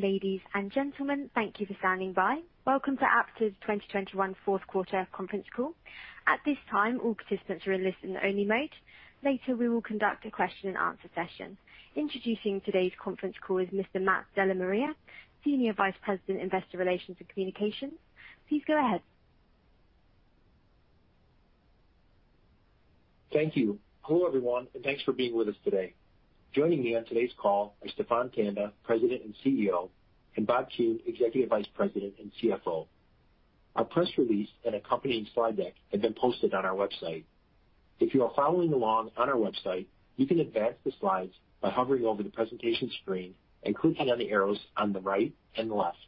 Ladies and gentlemen, thank you for standing by. Welcome to Aptar's 2021 fourth quarter conference call. At this time, all participants are in listen-only mode. Later, we will conduct a question and answer session. Introducing today's conference call is Mr. Matt DellaMaria, Senior Vice President, Investor Relations and Communications. Please go ahead. Thank you. Hello, everyone, and thanks for being with us today. Joining me on today's call are Stephan Tanda, President and CEO, and Bob Kuhn, Executive Vice President and CFO. Our press release and accompanying slide deck have been posted on our website. If you are following along on our website, you can advance the slides by hovering over the presentation screen and clicking on the arrows on the right and left.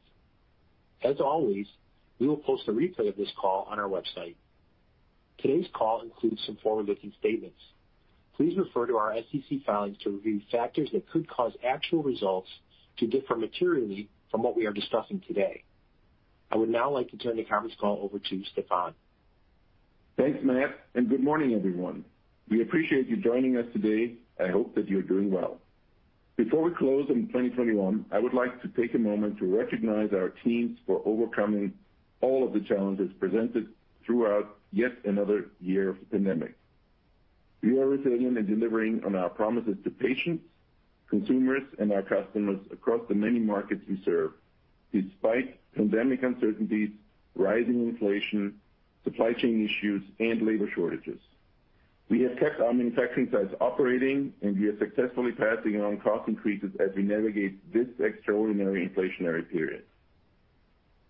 As always, we will post a replay of this call on our website. Today's call includes some forward-looking statements. Please refer to our SEC filings to review factors that could cause actual results to differ materially from what we are discussing today. I would now like to turn the conference call over to Stephan. Thanks, Matt, and good morning, everyone. We appreciate you joining us today. I hope that you're doing well. Before we close in 2021, I would like to take a moment to recognize our teams for overcoming all of the challenges presented throughout yet another year of pandemic. We are resilient in delivering on our promises to patients, consumers, and our customers across the many markets we serve despite pandemic uncertainties, rising inflation, supply chain issues, and labor shortages. We have kept our manufacturing sites operating, and we are successfully passing on cost increases as we navigate this extraordinary inflationary period.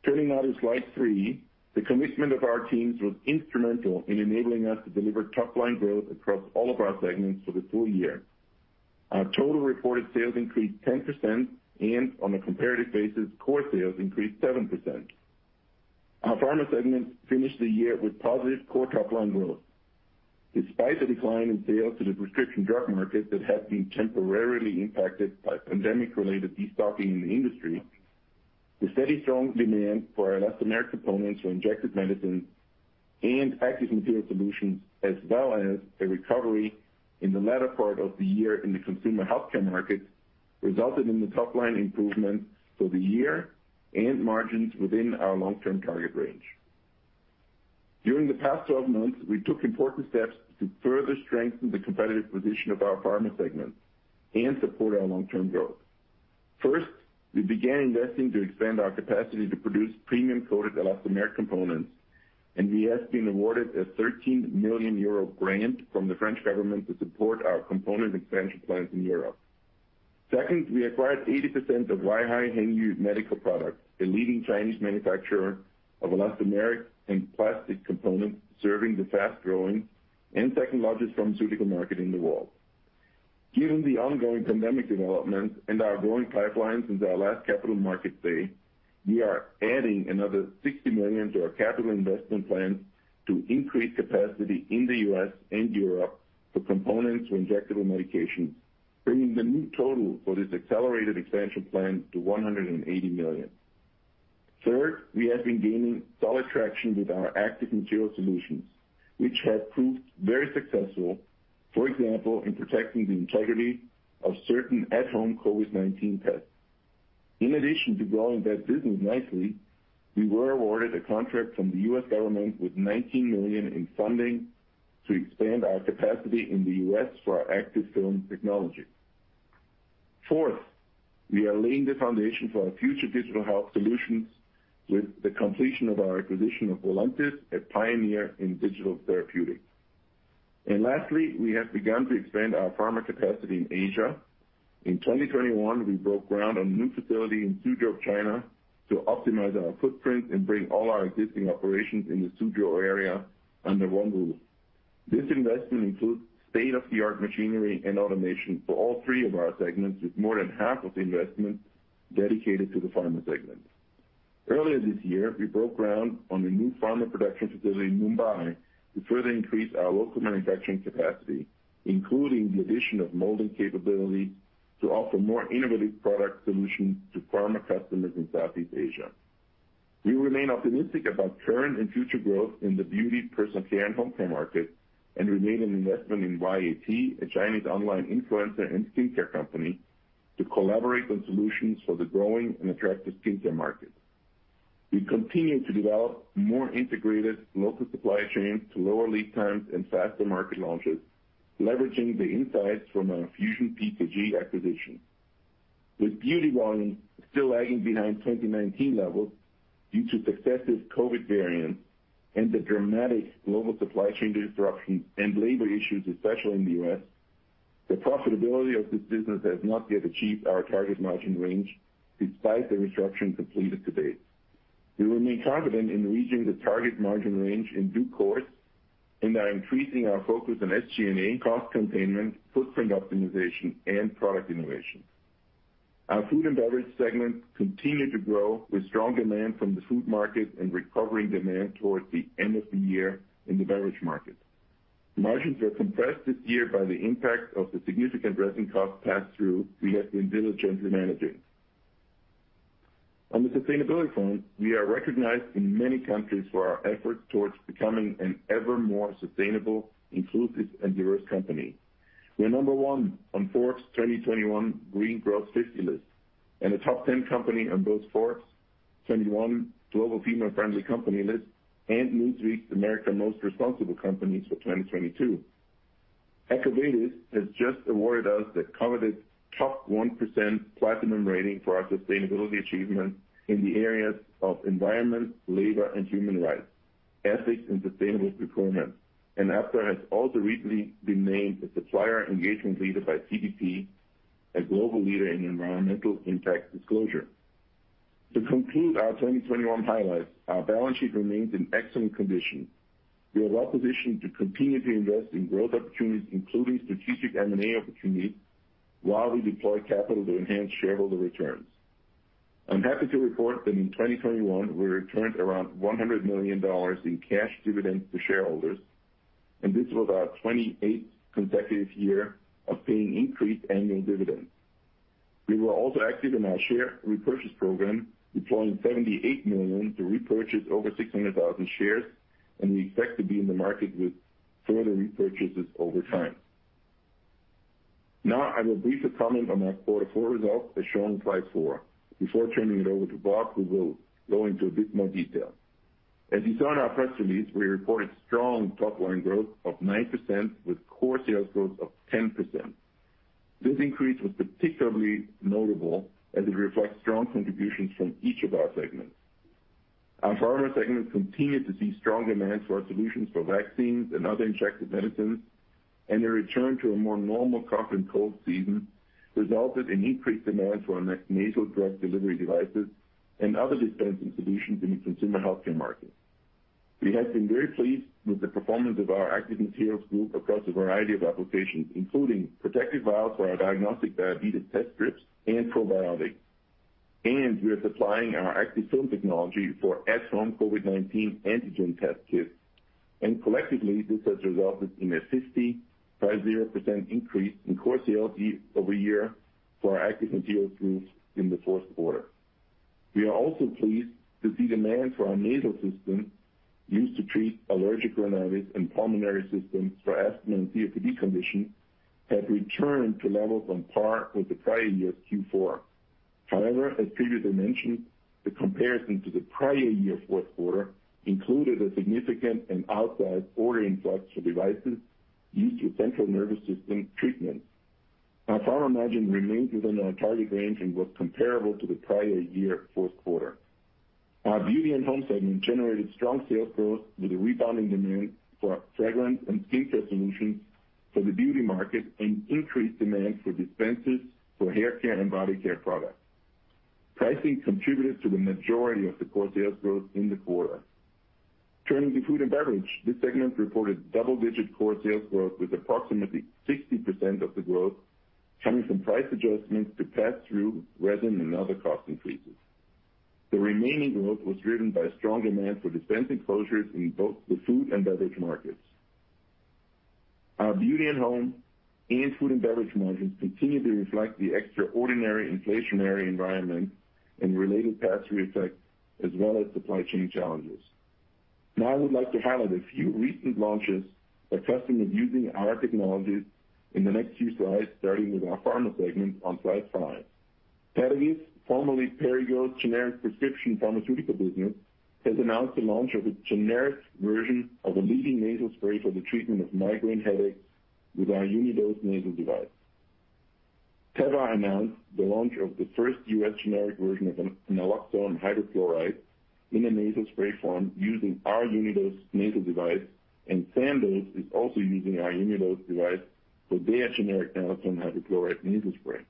Turning now to slide three, the commitment of our teams was instrumental in enabling us to deliver top-line growth across all of our segments for the full year. Our total reported sales increased 10%, and on a comparative basis, core sales increased 7%. Our Pharma segment finished the year with positive core top-line growth. Despite the decline in sales to the prescription drug market that has been temporarily impacted by pandemic-related destocking in the industry, the steady, strong demand for elastomeric components for injected medicines and Active Materials Solutions, as well as a recovery in the latter part of the year in the Consumer Healthcare Markets, resulted in the top-line improvement for the year and margins within our long-term target range. During the past 12 months, we took important steps to further strengthen the competitive position of our Pharma segment and support our long-term growth. First, we began investing to expand our capacity to produce premium-coated elastomeric components, and we have been awarded a 13 million euro grant from the French government to support our component expansion plans in Europe. Second, we acquired 80% of Weihai Hengyu Medical Products, a leading Chinese manufacturer of elastomeric and plastic components, serving the fast-growing and second-largest pharmaceutical market in the world. Given the ongoing pandemic developments and our growing pipeline since our last Capital Markets Day, we are adding another $60 million to our capital investment plan to increase capacity in the U.S. and Europe for components or injectable medications, bringing the new total for this accelerated expansion plan to $180 million. Third, we have been gaining solid traction with our Active Materials Solutions, which have proved very successful, for example, in protecting the integrity of certain at-home COVID-19 tests. In addition to growing that business nicely, we were awarded a contract from the U.S. government with $19 million in funding to expand our capacity in the U.S. for our active film technology. Fourth, we are laying the foundation for our future digital health solutions with the completion of our acquisition of Voluntis, a pioneer in digital therapeutics. Lastly, we have begun to expand our pharma capacity in Asia. In 2021, we broke ground on a new facility in Suzhou, China, to optimize our footprint and bring all our existing operations in the Suzhou area under one roof. This investment includes state-of-the-art machinery and automation for all three of our segments, with more than half of the investment dedicated to the Pharma segment. Earlier this year, we broke ground on a new pharma production facility in Mumbai to further increase our local manufacturing capacity, including the addition of molding capability to offer more innovative product solutions to pharma customers in Southeast Asia. We remain optimistic about current and future growth in the Beauty, Personal care, and Home Care market and remain an investment in YAT, a Chinese online influencer and skincare company, to collaborate on solutions for the growing and attractive skincare market. We continue to develop more integrated local supply chains to lower lead times and faster market launches, leveraging the insights from our FusionPKG acquisition. With beauty volumes still lagging behind 2019 levels due to successive COVID variants and the dramatic global supply chain disruptions and labor issues, especially in the U.S., the profitability of this business has not yet achieved our target margin range despite the restructuring completed to date. We remain confident in reaching the target margin range in due course and are increasing our focus on SG&A cost containment, footprint optimization, and product innovation. Our Food and Beverage segment continued to grow with strong demand from the Food market and recovering demand towards the end of the year in the Beverage market. Margins were compressed this year by the impact of the significant resin cost pass-through we have been diligently managing. On the sustainability front, we are recognized in many countries for our efforts towards becoming an ever more sustainable, inclusive, and diverse company. We are number one on Forbes 2021 Green Growth 50 list and a top 10 company on both Forbes' 2021 Global Female Friendly Company list and Newsweek's America's Most Responsible Companies for 2022. EcoVadis has just awarded us the coveted top 1% platinum rating for our sustainability achievements in the areas of environment, labor, and human rights, ethics, and sustainable procurement. Aptar has also recently been named a supplier engagement leader by CDP, a global leader in environmental impact disclosure. To conclude our 2021 highlights, our balance sheet remains in excellent condition. We are well-positioned to continue to invest in growth opportunities, including strategic M&A opportunities, while we deploy capital to enhance shareholder returns. I'm happy to report that in 2021, we returned around $100 million in cash dividends to shareholders, and this was our 28th consecutive year of paying increased annual dividends. We were also active in our share repurchase program, deploying $78 million to repurchase over 600,000 shares, and we expect to be in the market with further repurchases over time. Now, I will briefly comment on our Q4 results as shown in slide four. Before turning it over to Bob, who will go into a bit more detail. As you saw in our press release, we reported strong top-line growth of 9% with core sales growth of 10%. This increase was particularly notable as it reflects strong contributions from each of our segments. Our Pharma segment continued to see strong demand for our solutions for vaccines and other injected medicines, and a return to a more normal cough and cold season resulted in increased demand for our nasal drug delivery devices and other dispensing solutions in the Consumer Healthcare Market. We have been very pleased with the performance of our Active Materials Group across a variety of applications, including protective vials for our diagnostic diabetes test strips and probiotics. We are supplying our Activ-Film technology for at-home COVID-19 antigen test kits. Collectively, this has resulted in a 550% increase in core sales year-over-year for our Active Materials Group in the fourth quarter. We are also pleased to see demand for our nasal system used to treat allergic rhinitis and pulmonary systems for asthma and COPD conditions have returned to levels on par with the prior year's Q4. However, as previously mentioned, the comparison to the prior year fourth quarter included a significant and outsized order influx for devices used for central nervous system treatment. Our pharma margin remains within our target range and was comparable to the prior year fourth quarter. Our Beauty and Home segment generated strong sales growth with a rebounding demand for our fragrance and skincare solutions for the Beauty market and increased demand for dispensers for haircare and body care products. Pricing contributed to the majority of the core sales growth in the quarter. Turning to Food and Beverage, this segment reported double-digit core sales growth with approximately 60% of the growth coming from price adjustments to pass through resin and other cost increases. The remaining growth was driven by strong demand for dispensing closures in both the Food and Beverage markets. Our Beauty and Home and Food and Beverage margins continue to reflect the extraordinary inflationary environment and related pass-through effects as well as supply chain challenges. Now I would like to highlight a few recent launches by customers using our technologies in the next few slides, starting with our Pharma segment on slide five. Padagis, formerly Perrigo's generic prescription pharmaceutical business, has announced the launch of its generic version of a leading nasal spray for the treatment of migraine headaches with our Unidose nasal device. Teva announced the launch of the first U.S. generic version of naloxone hydrochloride in a nasal spray form using our Unidose nasal device, and Sandoz is also using our Unidose device for their generic naloxone hydrochloride nasal spray.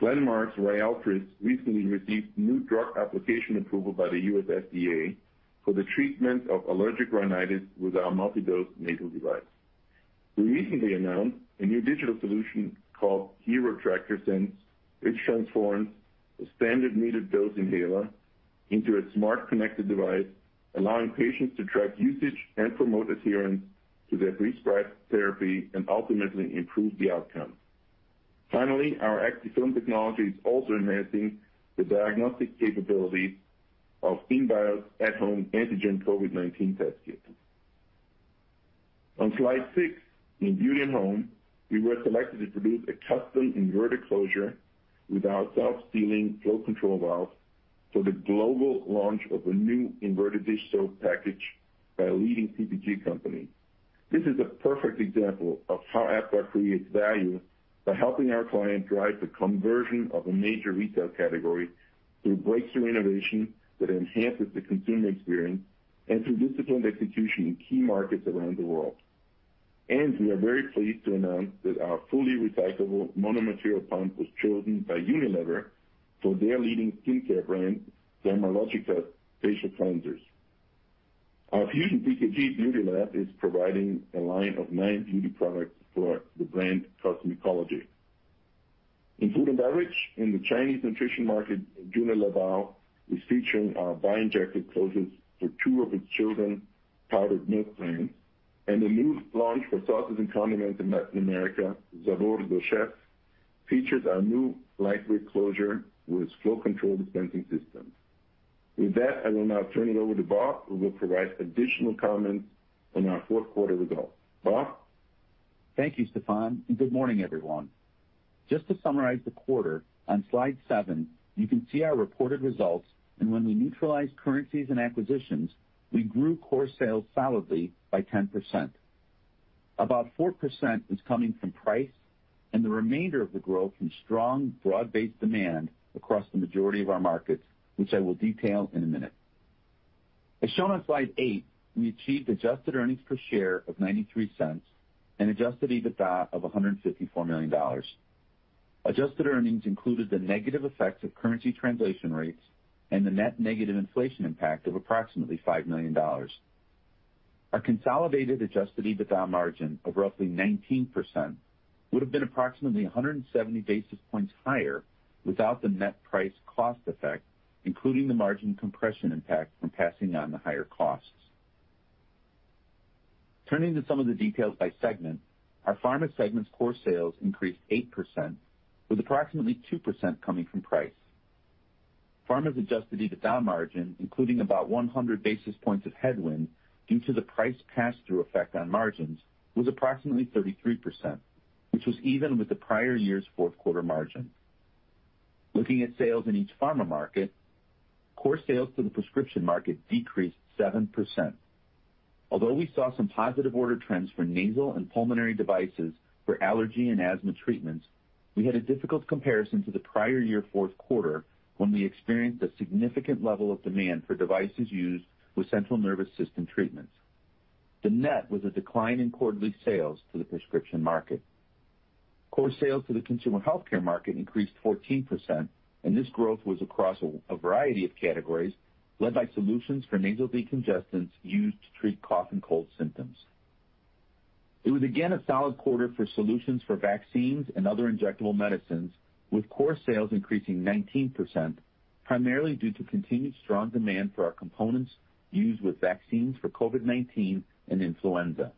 Glenmark's Ryaltris recently received new drug application approval by the U.S. FDA for the treatment of allergic rhinitis with our multi-dose nasal device. We recently announced a new digital solution called HeroTracker Sense, which transforms a standard metered dose inhaler into a smart connected device, allowing patients to track usage and promote adherence to their prescribed therapy and ultimately improve the outcome. Finally, our Activ-Film technology is also enhancing the diagnostic capabilities of InBios's at-home antigen COVID-19 test kits. On slide six, in Beauty and Home, we were selected to produce a custom inverted closure with our self-sealing flow control valve for the global launch of a new inverted dish soap package by a leading CPG company. This is a perfect example of how Aptar creates value by helping our client drive the conversion of a major retail category through breakthrough innovation that enhances the consumer experience and through disciplined execution in key markets around the world. We are very pleased to announce that our fully recyclable mono material pump was chosen by Unilever for their leading skincare brand, Dermalogica facial cleansers. Our FusionPKG BeautyLab is providing a line of nine beauty products for the brand Cosmetology. In Food and Beverage, in the Chinese nutrition market, Junlebao is featuring our Bi-Injection closures for two of its children powdered milk brands. A new launch for sauces and condiments in Latin America, Sabor del Chef, features our new lightweight closure with flow control dispensing systems. With that, I will now turn it over to Bob, who will provide additional comments on our fourth quarter results. Bob? Thank you, Stephan, and good morning, everyone. Just to summarize the quarter, on slide seven, you can see our reported results, and when we neutralize currencies and acquisitions, we grew core sales solidly by 10%. About 4% is coming from price and the remainder of the growth from strong, broad-based demand across the majority of our markets, which I will detail in a minute. As shown on slide eight, we achieved adjusted earnings per share of $0.93 and adjusted EBITDA of $154 million. Adjusted earnings included the negative effects of currency translation rates and the net negative inflation impact of approximately $5 million. Our consolidated adjusted EBITDA margin of roughly 19% would have been approximately 170 basis points higher without the net price cost effect, including the margin compression impact from passing on the higher costs. Turning to some of the details by segment, our Pharma segment's core sales increased 8% with approximately 2% coming from price. Pharma's adjusted EBITDA margin, including about 100 basis points of headwind due to the price pass-through effect on margins, was approximately 33%, which was even with the prior year's fourth quarter margin. Looking at sales in each Pharma market, core sales to the Prescription market decreased 7%. Although we saw some positive order trends for nasal and pulmonary devices for allergy and asthma treatments, we had a difficult comparison to the prior year fourth quarter, when we experienced a significant level of demand for devices used with central nervous system treatments. The net was a decline in quarterly sales to the Prescription market. Core sales to the Consumer Healthcare Market increased 14%, and this growth was across a variety of categories, led by solutions for nasal decongestants used to treat cough and cold symptoms. It was again a solid quarter for solutions for vaccines and other injectable medicines, with core sales increasing 19%, primarily due to continued strong demand for our components used with vaccines for COVID-19 and influenza.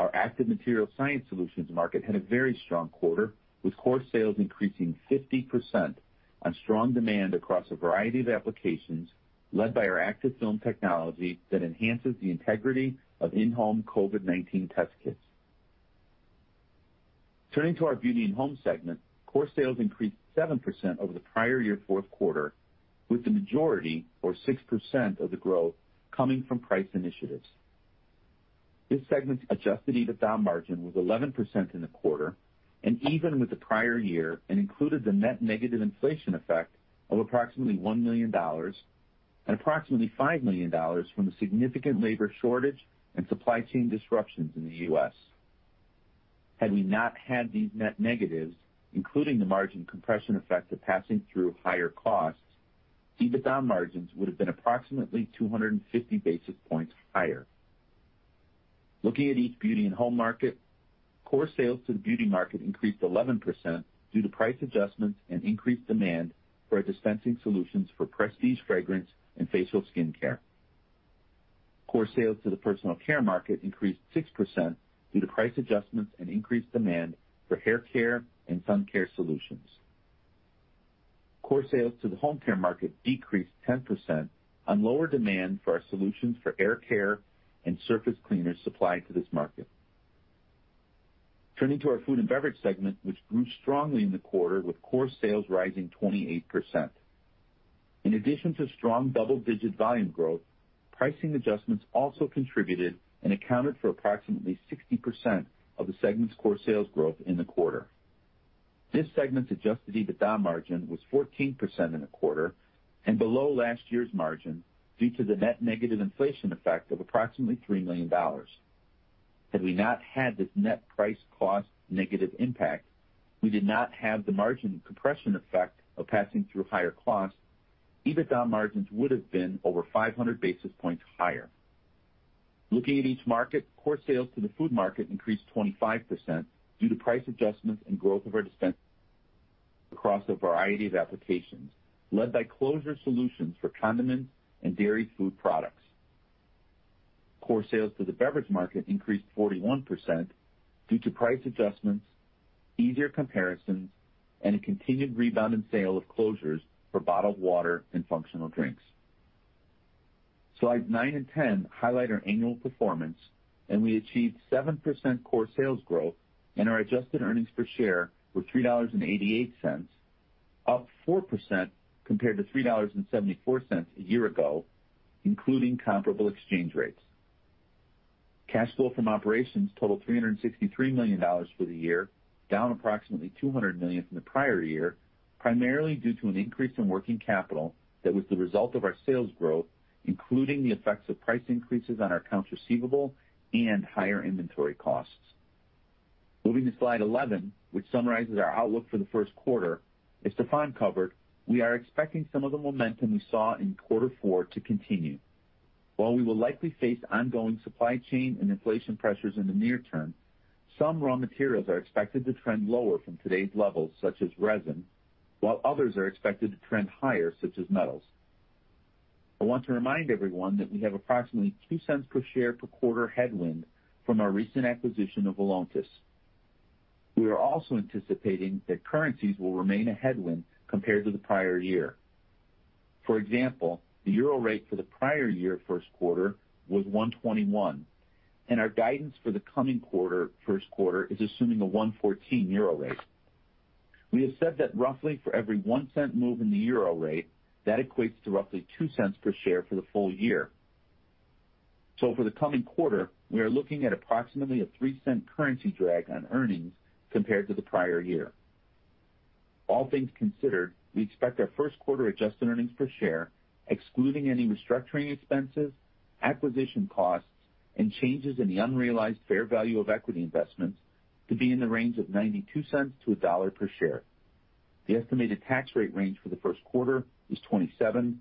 Our Active Material Solutions market had a very strong quarter, with core sales increasing 50% on strong demand across a variety of applications, led by our Activ-Film technology that enhances the integrity of in-home COVID-19 test kits. Turning to our Beauty and Home segment, core sales increased 7% over the prior year fourth quarter, with the majority or 6% of the growth coming from price initiatives. This segment's adjusted EBITDA margin was 11% in the quarter, even with the prior year, and included the net negative inflation effect of approximately $1 million and approximately $5 million from the significant labor shortage and supply chain disruptions in the U.S. Had we not had these net negatives, including the margin compression effect of passing through higher costs, EBITDA margins would have been approximately 250 basis points higher. Looking at each Beauty and Home market, core sales to the Beauty market increased 11% due to price adjustments and increased demand for our dispensing solutions for prestige, fragrance, and facial skincare. Core sales to the Personal Care market increased 6% due to price adjustments and increased demand for hair care and sun care solutions. Core sales to the Home Care market decreased 10% on lower demand for our solutions for air care and surface cleaners supplied to this market. Turning to our Food and Beverage segment, which grew strongly in the quarter with core sales rising 28%. In addition to strong double-digit volume growth, pricing adjustments also contributed and accounted for approximately 60% of the segment's core sales growth in the quarter. This segment's adjusted EBITDA margin was 14% in the quarter and below last year's margin due to the net negative inflation effect of approximately $3 million. Had we not had this net price cost negative impact, we did not have the margin compression effect of passing through higher costs, EBITDA margins would have been over 500 basis points higher. Looking at each market, core sales to the Food market increased 25% due to price adjustments and growth of our dispensing across a variety of applications, led by closure solutions for condiments and dairy food products. Core sales to the Beverage market increased 41% due to price adjustments, easier comparisons, and a continued rebound in sales of closures for bottled water and functional drinks. Slides nine and 10 highlight our annual performance, and we achieved 7% core sales growth and our adjusted earnings per share were $3.88, up 4% compared to $3.74 a year ago, including comparable exchange rates. Cash flow from operations totaled $363 million for the year, down approximately $200 million from the prior year, primarily due to an increase in working capital that was the result of our sales growth, including the effects of price increases on our accounts receivable and higher inventory costs. Moving to slide 11, which summarizes our outlook for the first quarter, as Stephan covered, we are expecting some of the momentum we saw in quarter four to continue. While we will likely face ongoing supply chain and inflation pressures in the near term. Some raw materials are expected to trend lower from today's levels, such as resin, while others are expected to trend higher, such as metals. I want to remind everyone that we have approximately $0.02 per share per quarter headwind from our recent acquisition of Voluntis. We are also anticipating that currencies will remain a headwind compared to the prior year. For example, the Euro rate for the prior year first quarter was 1.21, and our guidance for the coming quarter, first quarter is assuming a 1.14 euro rate. We have said that roughly for every $0.01 move in the Euro rate, that equates to roughly $0.02 per share for the full year. For the coming quarter, we are looking at approximately a $0.03 currency drag on earnings compared to the prior year. All things considered, we expect our first quarter adjusted earnings per share, excluding any restructuring expenses, acquisition costs, and changes in the unrealized fair value of equity investments to be in the range of $0.92-$1.00 per share. The estimated tax rate range for the first quarter is 27%-29%.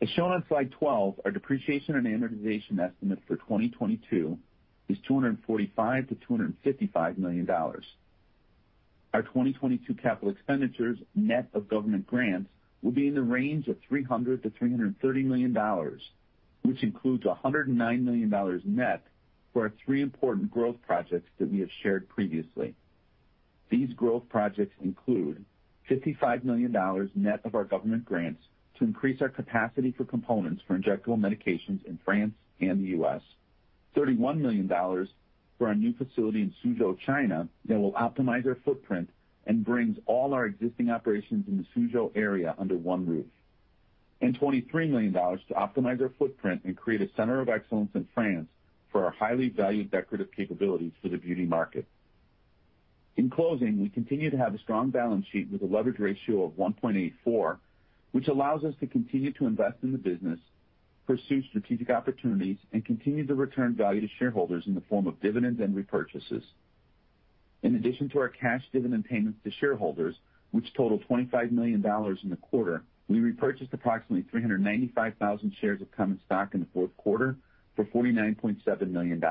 As shown on slide 12, our depreciation and amortization estimate for 2022 is $245 million-$255 million. Our 2022 capital expenditures net of government grants will be in the range of $300 million-$330 million, which includes $109 million net for our three important growth projects that we have shared previously. These growth projects include $55 million net of our government grants to increase our capacity for components for injectable medications in France and the U.S. $31 million for our new facility in Suzhou, China, that will optimize our footprint and brings all our existing operations in the Suzhou area under one roof, and $23 million to optimize our footprint and create a center of excellence in France for our highly valued decorative capabilities for the Beauty market. In closing, we continue to have a strong balance sheet with a leverage ratio of 1.84x, which allows us to continue to invest in the business, pursue strategic opportunities, and continue to return value to shareholders in the form of dividends and repurchases. In addition to our cash dividend payments to shareholders, which totaled $25 million in the quarter, we repurchased approximately 395,000 shares of common stock in the fourth quarter for $49.7 million.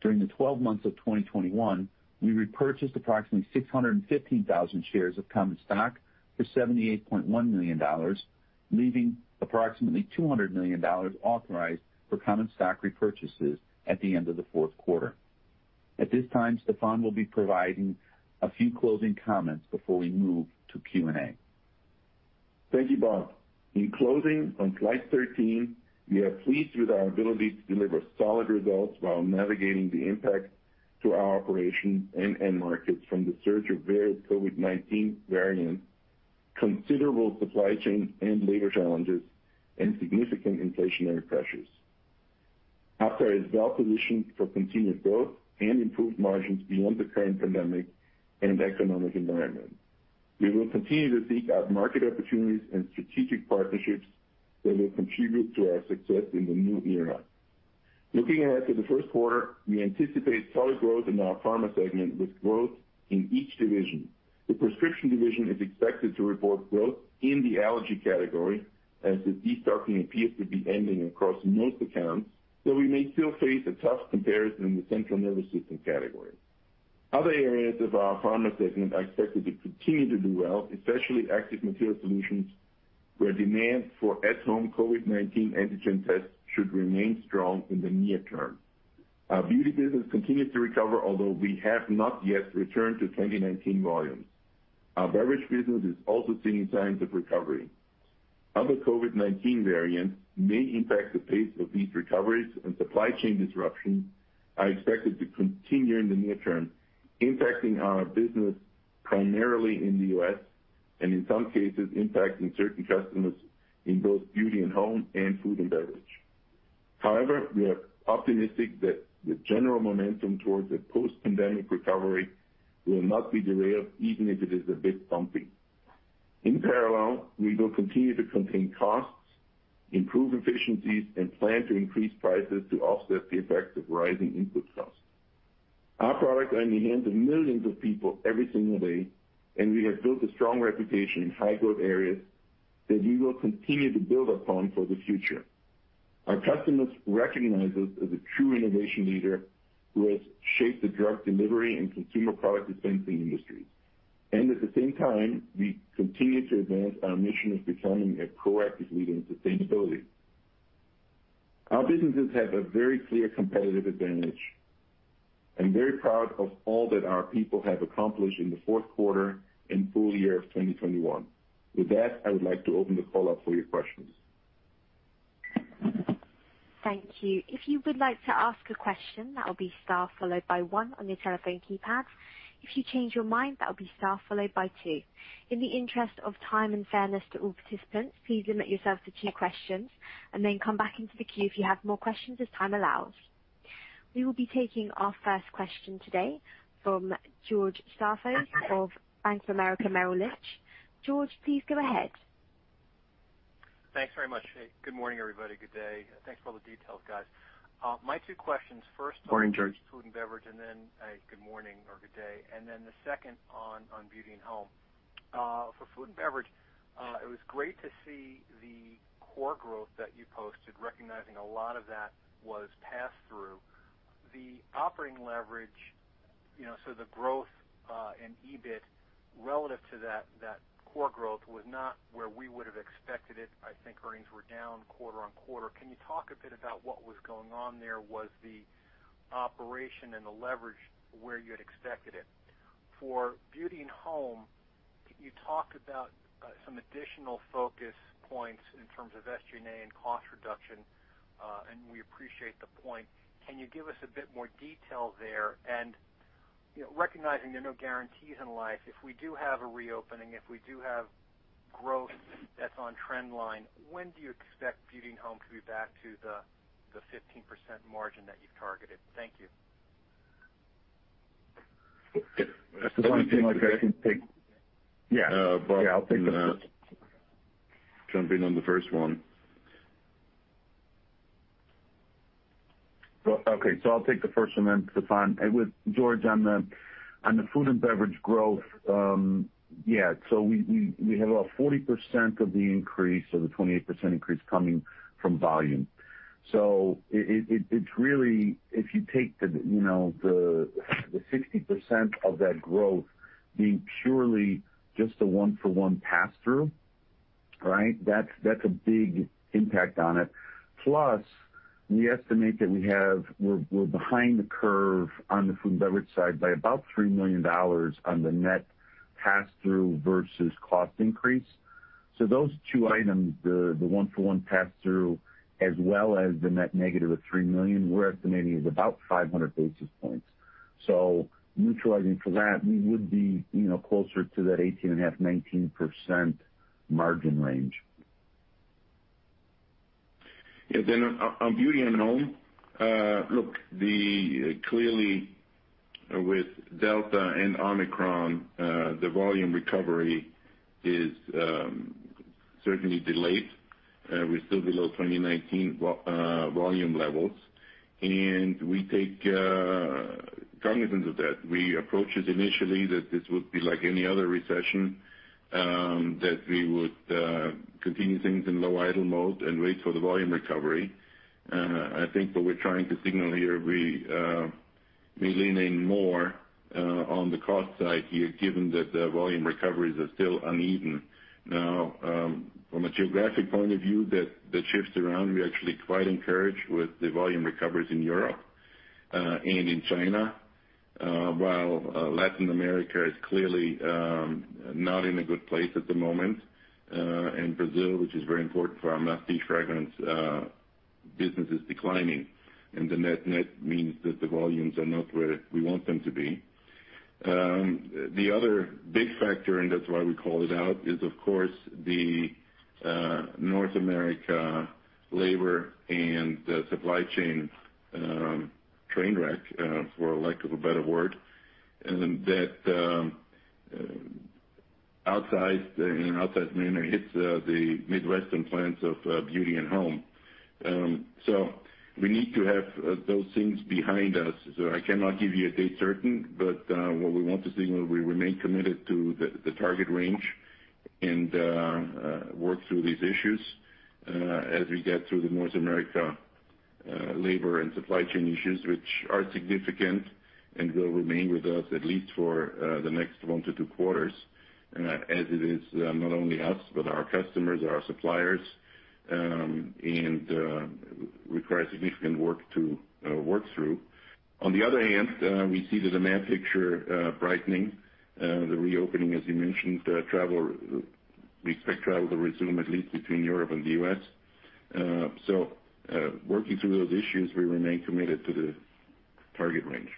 During the 12 months of 2021, we repurchased approximately 615,000 shares of common stock for $78.1 million, leaving approximately $200 million authorized for common stock repurchases at the end of the fourth quarter. At this time, Stephan will be providing a few closing comments before we move to Q&A. Thank you, Bob. In closing, on slide 13, we are pleased with our ability to deliver solid results while navigating the impact to our operations and end markets from the surge of various COVID-19 variants, considerable supply chain and labor challenges, and significant inflationary pressures. Aptar is well-positioned for continued growth and improved margins beyond the current pandemic and economic environment. We will continue to seek out market opportunities and strategic partnerships that will contribute to our success in the new era. Looking ahead to the first quarter, we anticipate solid growth in our Pharma segment with growth in each division. The Prescription division is expected to report growth in the allergy category as the destocking appears to be ending across most accounts, though we may still face a tough comparison in the central nervous system category. Other areas of our Pharma segment are expected to continue to do well, especially Active Materials Solutions, where demand for at-home COVID-19 antigen tests should remain strong in the near term. Our Beauty business continues to recover, although we have not yet returned to 2019 volumes. Our Beverage business is also seeing signs of recovery. Other COVID-19 variants may impact the pace of these recoveries, and supply chain disruptions are expected to continue in the near term, impacting our business primarily in the U.S. and in some cases impacting certain customers in both Beauty and Home and Food and Beverage. However, we are optimistic that the general momentum towards a post-pandemic recovery will not be derailed even if it is a bit bumpy. In parallel, we will continue to contain costs, improve efficiencies, and plan to increase prices to offset the effects of rising input costs. Our products are in the hands of millions of people every single day, and we have built a strong reputation in high-growth areas that we will continue to build upon for the future. Our customers recognize us as a true innovation leader who has shaped the drug delivery and consumer product dispensing industries. At the same time, we continue to advance our mission of becoming a proactive leader in sustainability. Our businesses have a very clear competitive advantage. I'm very proud of all that our people have accomplished in the fourth quarter and full year of 2021. With that, I would like to open the call up for your questions. Thank you. If you would like to ask a question, that will be star followed by one on your telephone keypad. If you change your mind, that will be star followed by two. In the interest of time and fairness to all participants, please limit yourself to two questions and then come back into the queue if you have more questions as time allows. We will be taking our first question today from George Staphos of Bank of America Merrill Lynch. George, please go ahead. Thanks very much. Good morning, everybody. Good day. Thanks for all the details, guys. My two questions. First on- Morning, George. Food and Beverage, and then, good morning and good day, the second on Beauty and Home. For Food and Beverage, it was great to see the core growth that you posted, recognizing a lot of that was passed through. The operating leverage, you know, so the growth in EBIT relative to that core growth was not where we would have expected it. I think earnings were down quarter-over-quarter. Can you talk a bit about what was going on there? Was the operation and the leverage where you had expected it? For Beauty and Home, you talked about some additional focus points in terms of SG&A and cost reduction, and we appreciate the point. Can you give us a bit more detail there? You know, recognizing there are no guarantees in life, if we do have a reopening, if we do have growth that's on trend line, when do you expect Beauty and Home to be back to the 15% margin that you've targeted? Thank you. That's the one thing like I can take. Yeah. Yeah, I'll take the first. Jumping on the first one. Okay, I'll take the first one then, Stephan. With George Staphos on the Food and Beverage growth. We have about 40% of the increase or the 28% increase coming from volume. It's really, if you take the, you know, the 60% of that growth being purely just a one-for-one pass through, right? That's a big impact on it. Plus, we estimate that we're behind the curve on the Food and Beverage side by about $3 million on the net pass through versus cost increase. Those two items, the one-for-one pass through, as well as the net negative of $3 million, we're estimating is about 500 basis points. Neutralizing for that, we would be, you know, closer to that 18.5%-19% margin range. Yeah. On Beauty and Home, look, clearly with Delta and Omicron, the volume recovery is certainly delayed. We're still below 2019 volume levels, and we take cognizance of that. We approached it initially that this would be like any other recession, that we would continue things in low idle mode and wait for the volume recovery. I think what we're trying to signal here, we leaning more on the cost side here, given that the volume recoveries are still uneven. Now, from a geographic point of view, that shifts around, we're actually quite encouraged with the volume recoveries in Europe and in China, while Latin America is clearly not in a good place at the moment. Brazil, which is very important for our beauty fragrance business, is declining. The net-net means that the volumes are not where we want them to be. The other big factor, and that's why we called it out, is of course the North America labor and the supply chain train wreck, for lack of a better word, and that outsized, you know, mainly hits the Midwestern plants of Beauty and Home. We need to have those things behind us. I cannot give you a date certain, but what we want to signal, we remain committed to the target range and work through these issues as we get through the North America labor and supply chain issues, which are significant and will remain with us at least for the next one to two quarters. As it is, not only us, but our customers, our suppliers, and require significant work to work through. On the other hand, we see the demand picture brightening, the reopening, as you mentioned, travel, we expect travel to resume at least between Europe and the U.S. Working through those issues, we remain committed to the target range.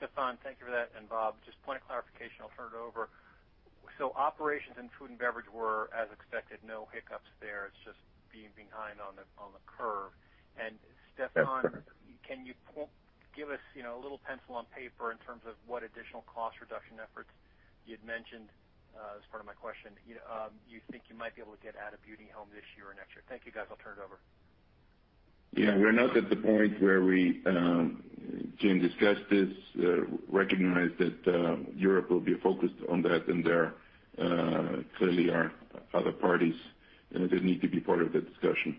Stephan, thank you for that. Bob, just point of clarification, I'll turn it over. Operations in Food & Beverage were as expected, no hiccups there. It's just being behind on the curve. Stephan, can you give us, you know, a little pencil on paper in terms of what additional cost reduction efforts you'd mentioned, as part of my question, you think you might be able to get out of Beauty & Home this year or next year? Thank you, guys. I'll turn it over. Yeah. We're not at the point where we, Jim discussed this, recognize that Europe will be focused on that and there clearly are other parties that need to be part of the discussion.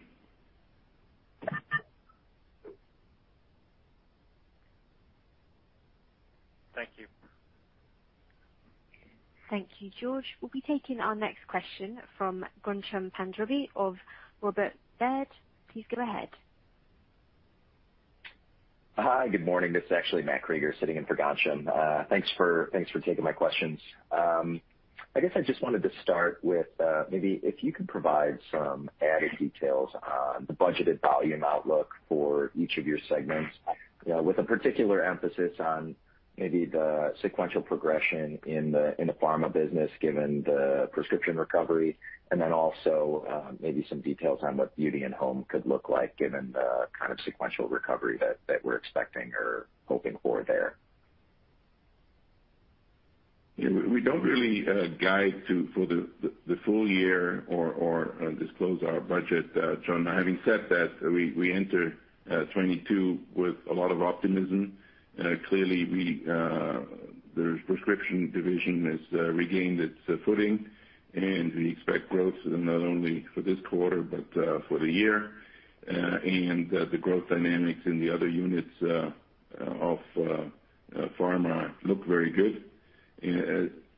Thank you. Thank you, George. We'll be taking our next question from Ghansham Panjabi of Robert Baird. Please go ahead. Hi. Good morning. This is actually Matt Krueger sitting in for Ghansham Panjabi. Thanks for taking my questions. I guess I just wanted to start with maybe if you could provide some added details on the budgeted volume outlook for each of your segments, you know, with a particular emphasis on maybe the sequential progression in the Pharma business, given the prescription recovery, and then also maybe some details on what Beauty and Home could look like given the kind of sequential recovery that we're expecting or hoping for there. We don't really guide for the full year or disclose our budget, John. Having said that, we enter 2022 with a lot of optimism. Clearly, the Prescription division has regained its footing, and we expect growth not only for this quarter but for the year. The growth dynamics in the other units of pharma look very good.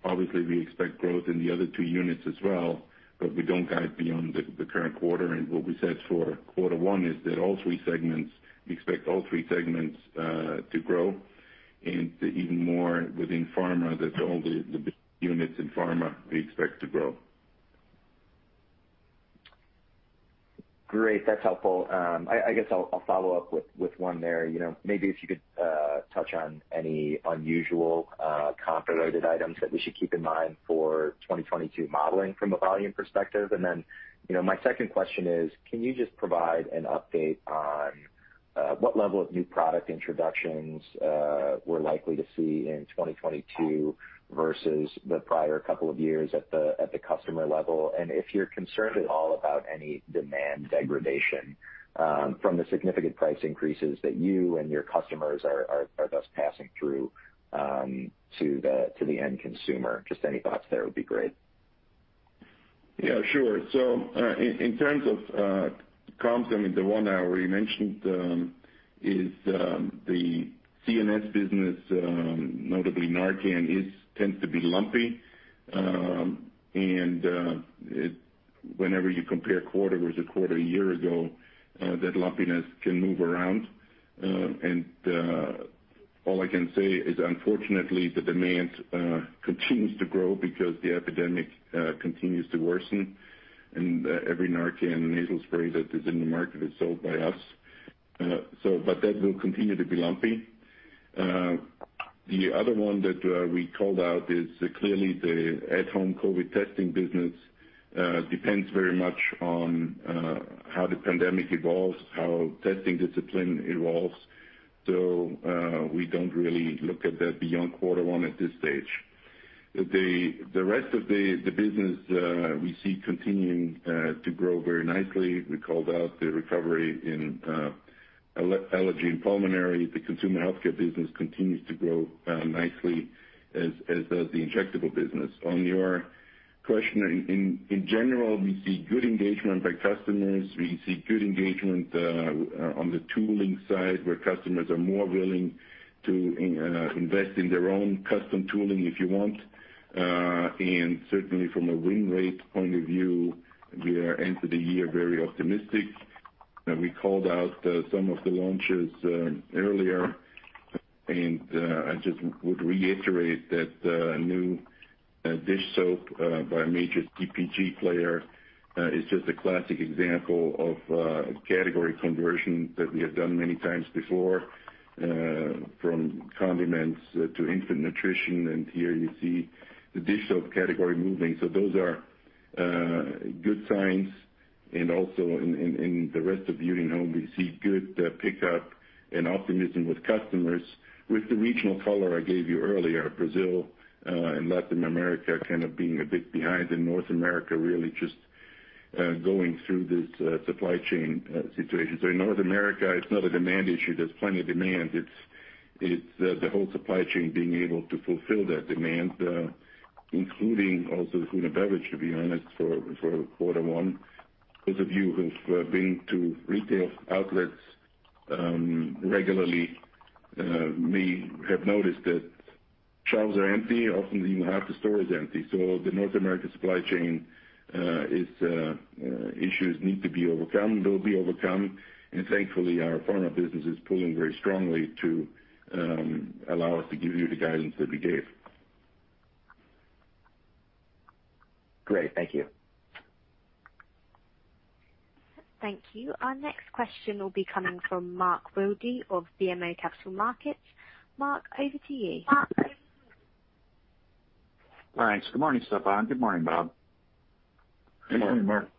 Obviously, we expect growth in the other two units as well, but we don't guide beyond the current quarter. What we said for quarter one is that all three segments we expect to grow and even more within pharma, that all the units in pharma we expect to grow. Great. That's helpful. I guess I'll follow up with one there. You know, maybe if you could touch on any unusual comp-related items that we should keep in mind for 2022 modeling from a volume perspective. You know, my second question is, can you just provide an update on what level of new product introductions we're likely to see in 2022 versus the prior couple of years at the customer level? If you're concerned at all about any demand degradation from the significant price increases that you and your customers are thus passing through to the end consumer. Just any thoughts there would be great. Yeah, sure. In terms of comps, I mean, the one I already mentioned is the CNS business, notably Narcan, tends to be lumpy. Whenever you compare quarter versus quarter a year ago, that lumpiness can move around. All I can say is, unfortunately, the demand continues to grow because the epidemic continues to worsen. Every Narcan nasal spray that is in the market is sold by us. But that will continue to be lumpy. The other one that we called out is clearly the at-home COVID testing business depends very much on how the pandemic evolves, how testing discipline evolves. We don't really look at that beyond quarter one at this stage. The rest of the business we see continuing to grow very nicely. We called out the recovery in allergy and pulmonary. The consumer healthcare business continues to grow nicely, as does the injectable business. On your question, in general, we see good engagement by customers. We see good engagement on the tooling side, where customers are more willing to invest in their own custom tooling, if you want. Certainly from a win rate point of view, we are into the year very optimistic. We called out some of the launches earlier. I just would reiterate that new dish soap by a major CPG player is just a classic example of category conversion that we have done many times before from condiments to infant nutrition. Here you see the dish soap category moving. Those are good signs. Also in the rest of Beauty and Home, we see good pickup and optimism with customers with the regional color I gave you earlier, Brazil and Latin America kind of being a bit behind in North America, really just going through this supply chain situation. In North America, it's not a demand issue. There's plenty of demand. It's the whole supply chain being able to fulfill that demand, including also Food and Beverage, to be honest, for quarter one. Those of you who've been to retail outlets regularly may have noticed that shelves are empty, often even half the store is empty. The North American supply chain has issues that need to be overcome. They'll be overcome. Thankfully, our Pharma business is pulling very strongly to allow us to give you the guidance that we gave. Great. Thank you. Thank you. Our next question will be coming from Mark Wilde of BMO Capital Markets. Mark, over to you. Thanks. Good morning, Stephan. Good morning, Bob. Good morning, Mark.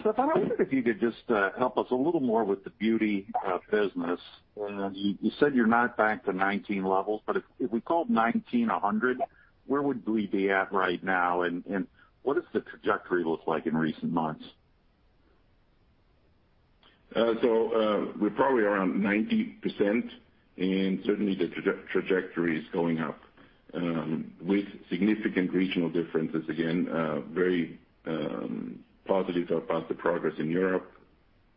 Stephan, I wonder if you could just help us a little more with the Beauty business. You said you're not back to 2019 levels, but if we called 2019 a 100, where would we be at right now? What does the trajectory look like in recent months? We're probably around 90%, and certainly the trajectory is going up, with significant regional differences. Again, very positive about the progress in Europe,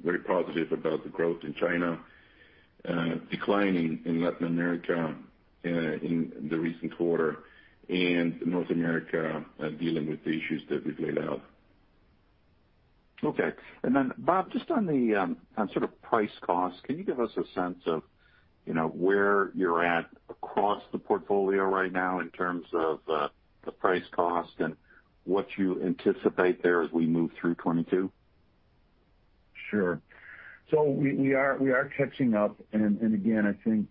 very positive about the growth in China, declining in Latin America, in the recent quarter, and North America dealing with the issues that we've laid out. Okay. Bob, just on the on sort of price cost, can you give us a sense of, you know, where you're at across the portfolio right now in terms of the price cost and what you anticipate there as we move through 2022? Sure. We are catching up. Again, I think,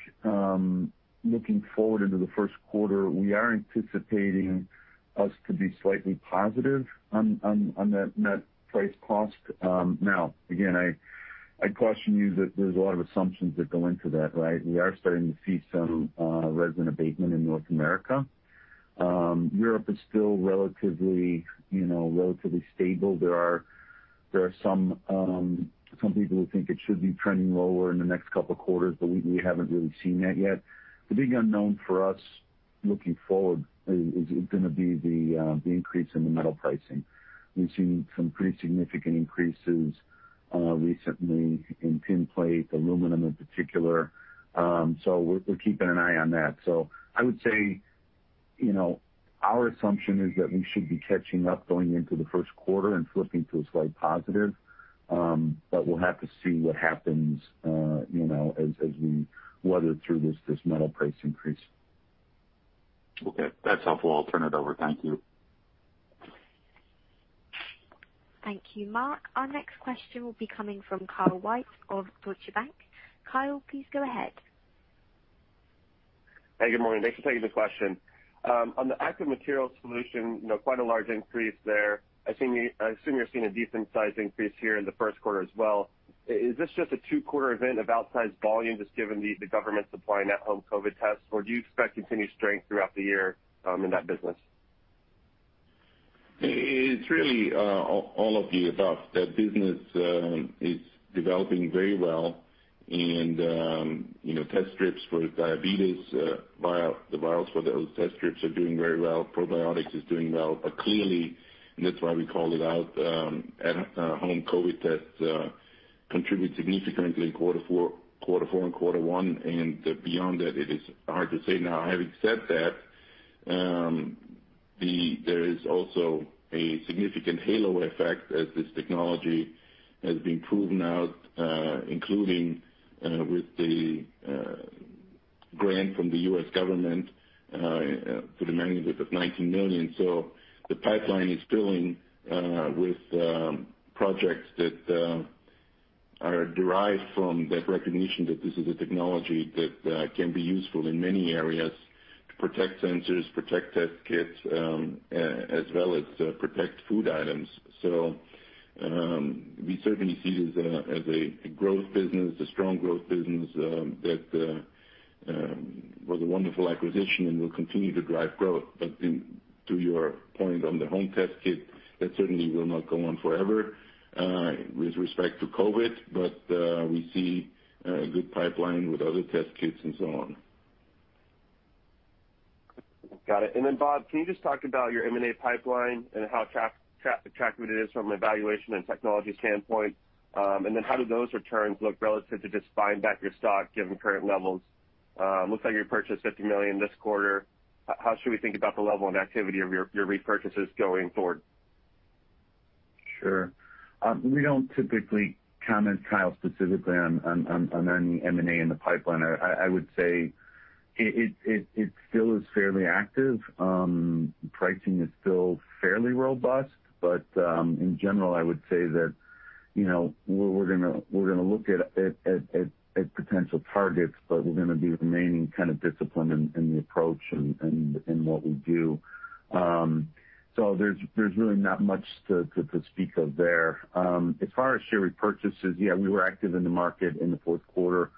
looking forward into the first quarter, we are anticipating us to be slightly positive on net price cost. Now again, I caution you that there's a lot of assumptions that go into that, right? We are starting to see some resin abatement in North America. Europe is still relatively, you know, stable. There are There are some people who think it should be trending lower in the next couple of quarters, but we haven't really seen that yet. The big unknown for us looking forward is gonna be the increase in the metal pricing. We've seen some pretty significant increases recently in tin plate, aluminum in particular. We're keeping an eye on that. I would say, you know, our assumption is that we should be catching up going into the first quarter and flipping to a slight positive. We'll have to see what happens, you know, as we weather through this metal price increase. Okay. That's helpful. I'll turn it over. Thank you. Thank you, Mark. Our next question will be coming from Kyle White of Deutsche Bank. Kyle, please go ahead. Hey, good morning. Thanks for taking the question. On the active materials solution, you know, quite a large increase there. I assume you're seeing a decent size increase here in the first quarter as well. Is this just a two-quarter event of outsized volumes just given the government supplying at-home COVID tests? Or do you expect continued strength throughout the year in that business? It's really all of the above. That business is developing very well and, you know, test strips for diabetes, the vials for those test strips are doing very well. Probiotics is doing well. Clearly, and that's why we called it out, at-home COVID tests contribute significantly in quarter four and quarter one. Beyond that, it is hard to say now. Having said that, there is also a significant halo effect as this technology has been proven out, including with the grant from the U.S. government to the magnitude of $19 million. The pipeline is filling with projects that are derived from that recognition that this is a technology that can be useful in many areas to protect sensors, protect test kits, as well as protect food items. We certainly see it as a growth business, a strong growth business, that was a wonderful acquisition and will continue to drive growth. To your point on the home test kit, that certainly will not go on forever with respect to COVID, but we see a good pipeline with other test kits and so on. Got it. Bob, can you just talk about your M&A pipeline and how attractive it is from a valuation and technology standpoint? How do those returns look relative to just buying back your stock given current levels? Looks like you purchased $50 million this quarter. How should we think about the level of activity of your repurchases going forward? Sure. We don't typically comment, Kyle, specifically on any M&A in the pipeline. I would say it still is fairly active. Pricing is still fairly robust, but in general, I would say that, you know, we're gonna look at potential targets, but we're gonna be remaining kind of disciplined in the approach and what we do. There's really not much to speak of there. As far as share repurchases, yeah, we were active in the market in the fourth quarter.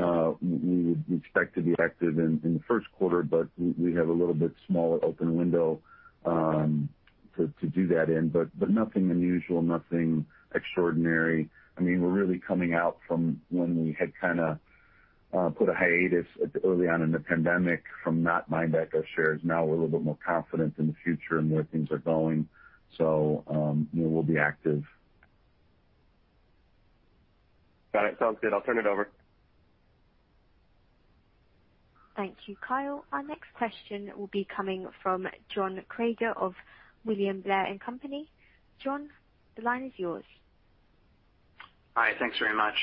We expect to be active in the first quarter, but we have a little bit smaller open window to do that in. Nothing unusual, nothing extraordinary. I mean, we're really coming out from when we had kinda put a hiatus early on in the pandemic from not buying back our shares. Now we're a little bit more confident in the future and where things are going. You know, we'll be active. Got it. Sounds good. I'll turn it over. Thank you, Kyle. Our next question will be coming from John Kreger of William Blair & Company. John, the line is yours. Hi. Thanks very much.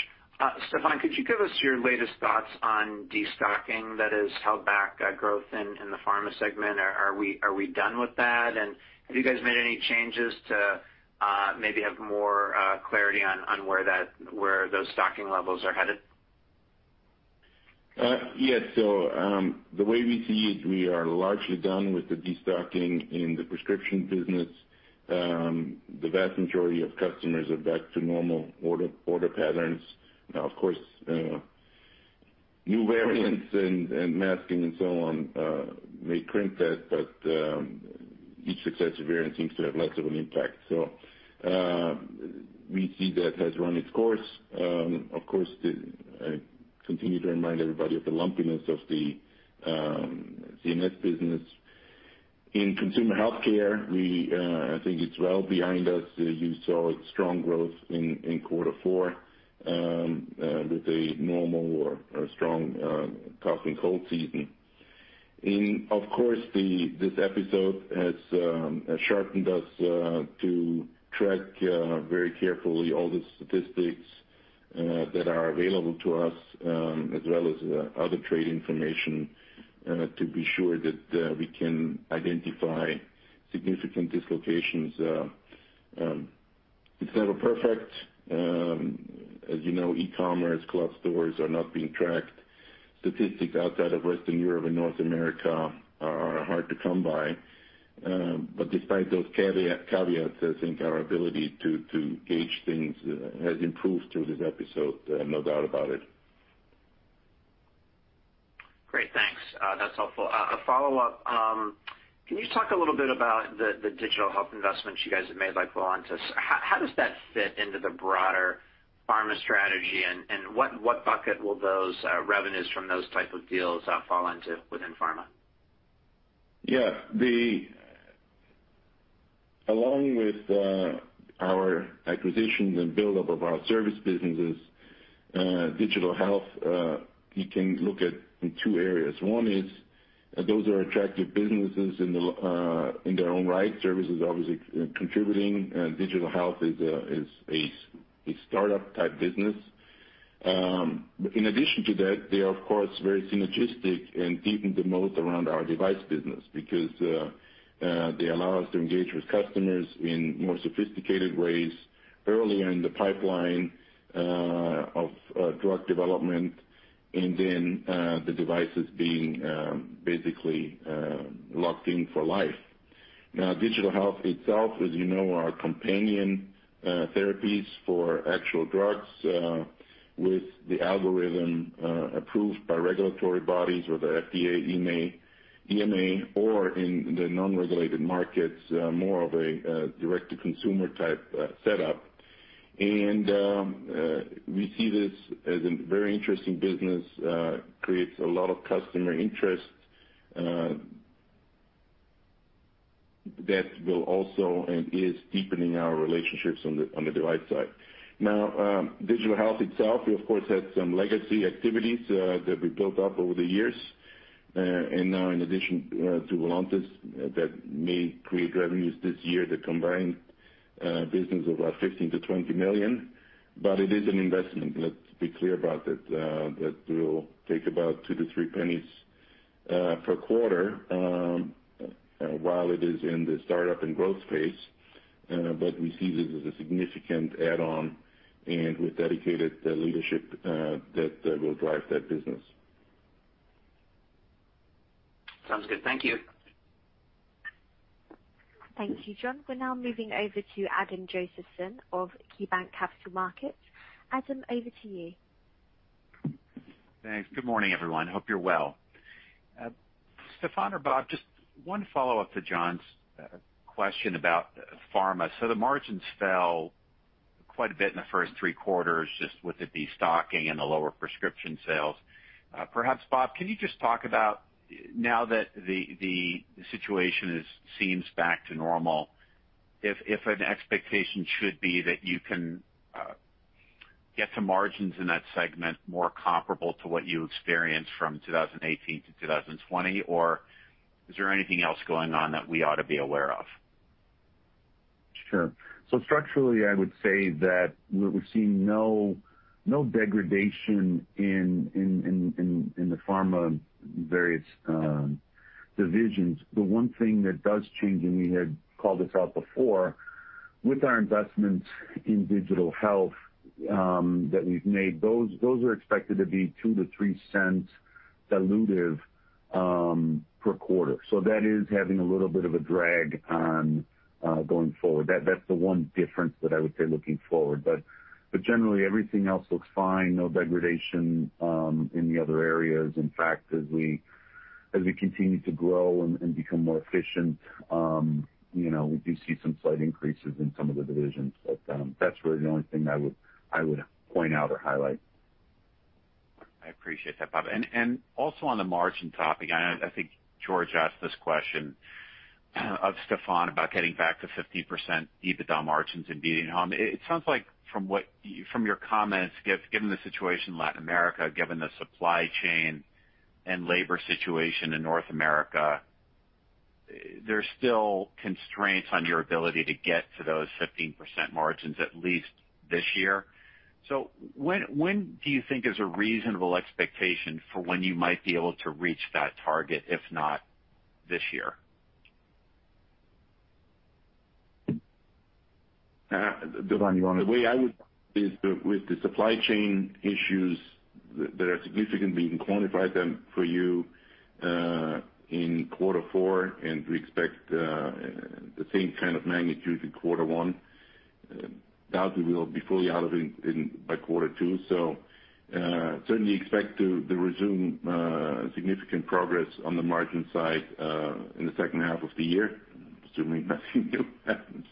Stephan, could you give us your latest thoughts on destocking that has held back growth in the Pharma segment? Are we done with that? Have you guys made any changes to maybe have more clarity on where those stocking levels are headed? Yes. The way we see it, we are largely done with the destocking in the prescription business. The vast majority of customers are back to normal order patterns. Now, of course, new variants and masking and so on may crimp that, but each successive variant seems to have less of an impact. We see that has run its course. Of course, I continue to remind everybody of the lumpiness of the CNS business. In consumer healthcare, I think it's well behind us. You saw strong growth in quarter four with a normal or a strong cough and cold season. Of course, this episode has sharpened us to track very carefully all the statistics that are available to us, as well as other trade information, to be sure that we can identify significant dislocations. It's never perfect. As you know, e-commerce, club stores are not being tracked. Statistics outside of Western Europe and North America are hard to come by. Despite those caveats, I think our ability to gauge things has improved through this episode. No doubt about it. That's helpful. A follow-up, can you talk a little bit about the digital health investments you guys have made, like Voluntis? How does that fit into the broader pharma strategy? What bucket will those revenues from those type of deals fall into within pharma? Yeah. Along with our acquisitions and build up of our service businesses, digital health, you can look at in two areas. One is those are attractive businesses in their own right. Service is obviously contributing, and digital health is a startup type business. In addition to that, they are of course very synergistic and deepening the moat around our device business because they allow us to engage with customers in more sophisticated ways early in the pipeline of drug development, and then the devices being basically locked in for life. Now, digital health itself, as you know, are companion therapies for actual drugs, with the algorithm approved by regulatory bodies or the FDA, EMA, or in the non-regulated markets, more of a direct-to-consumer type setup. We see this as a very interesting business creates a lot of customer interest that will also and is deepening our relationships on the device side. Now, digital health itself, we of course had some legacy activities that we built up over the years. Now in addition to Voluntis, that may create revenues this year, the combined business of $15 million-$20 million, but it is an investment. Let's be clear about that. That will take about $0.02-$0.03 per quarter while it is in the startup and growth phase. We see this as a significant add-on, and we've dedicated the leadership that will drive that business. Sounds good. Thank you. Thank you, John. We're now moving over to Adam Josephson of KeyBanc Capital Markets. Adam, over to you. Thanks. Good morning, everyone. Hope you're well. Stephan or Bob, just one follow-up to John's question about pharma. The margins fell quite a bit in the first three quarters, just with the destocking and the lower prescription sales. Perhaps, Bob, can you just talk about now that the situation seems back to normal, if an expectation should be that you can get to margins in that segment more comparable to what you experienced from 2018 to 2020? Or is there anything else going on that we ought to be aware of? Structurally, I would say that we're seeing no degradation in the pharma versus divisions. The one thing that does change, and we had called this out before, with our investments in digital health, that we've made, those are expected to be $0.02-$0.03 dilutive per quarter. That is having a little bit of a drag on going forward. That's the one difference that I would say looking forward. Generally everything else looks fine. No degradation in the other areas. In fact, as we continue to grow and become more efficient, you know, we do see some slight increases in some of the divisions. That's really the only thing I would point out or highlight. I appreciate that, Bob. Also on the margin topic, I know, I think George asked this question of Stephan about getting back to 15% EBITDA margins in Beauty and Home. It sounds like from your comments, given the situation in Latin America, given the supply chain and labor situation in North America, there's still constraints on your ability to get to those 15% margins at least this year. When do you think is a reasonable expectation for when you might be able to reach that target, if not this year? Devon, the way I would is with the supply chain issues that are significant, we can quantify them for you in quarter four, and we expect the same kind of magnitude in quarter one. Doubt we will be fully out of it by quarter two. Certainly expect to resume significant progress on the margin side in the second half of the year, assuming nothing new happens.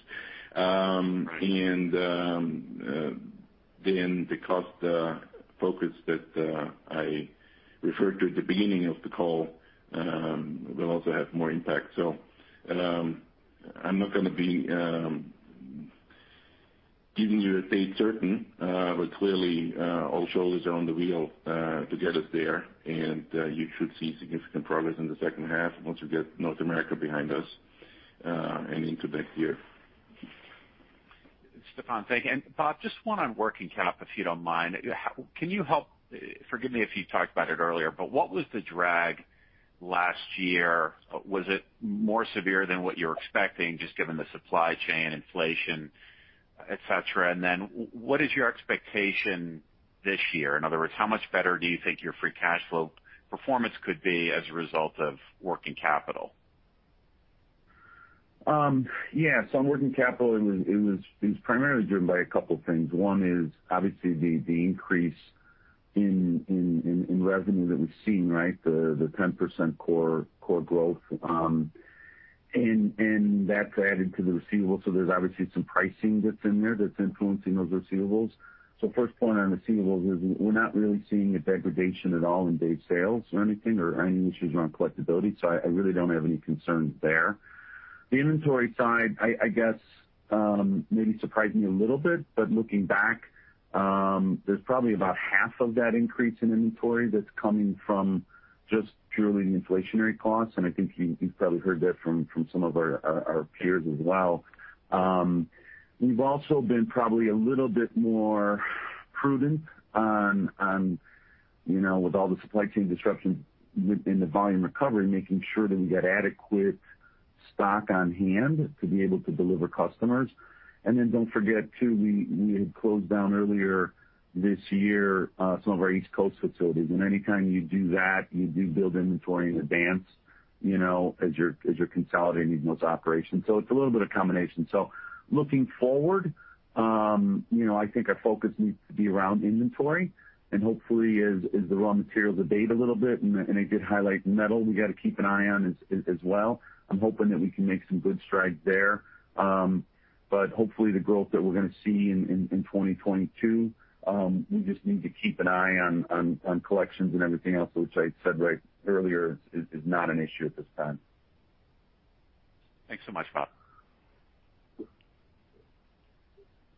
Then the cost focus that I referred to at the beginning of the call will also have more impact. I'm not gonna be giving you a date certain, but clearly, all shoulders are on the wheel to get us there. You should see significant progress in the second half once we get North America behind us, and into next year. Stephan, thank you. Bob, just one on working capital, if you don't mind. Can you help? Forgive me if you talked about it earlier, but what was the drag last year? Was it more severe than what you're expecting just given the supply chain inflation, et cetera? Then what is your expectation this year? In other words, how much better do you think your free cash flow performance could be as a result of working capital? Yeah. On working capital it was primarily driven by a couple things. One is obviously the increase in revenue that we've seen, right? The 10% core growth. That's added to the receivables, so there's obviously some pricing that's in there that's influencing those receivables. First point on receivables is we're not really seeing a degradation at all in day sales or anything or any issues around collectability, so I really don't have any concerns there. The inventory side I guess maybe surprised me a little bit, but looking back, there's probably about half of that increase in inventory that's coming from just purely the inflationary costs, and I think you've probably heard that from some of our peers as well. We've also been probably a little bit more prudent on, you know, with all the supply chain disruptions in the volume recovery, making sure that we got adequate stock on hand to be able to deliver customers. Don't forget, too, we had closed down earlier this year, some of our East Coast facilities, and any time you do that, you do build inventory in advance, you know, as you're consolidating those operations. It's a little bit of combination. Looking forward, you know, I think our focus needs to be around inventory, and hopefully as the raw materials abate a little bit, and I did highlight metal, we gotta keep an eye on as well. I'm hoping that we can make some good strides there. Hopefully the growth that we're gonna see in 2022, we just need to keep an eye on collections and everything else, which I said right earlier, is not an issue at this time. Thanks so much, Bob.